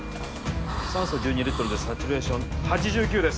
酸素１２リットルでサチュレーション８９です